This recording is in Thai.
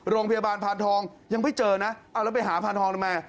โรงพยาบาลพานทองยังไม่เจอนะเอาแล้วไปหาพานทองทำไม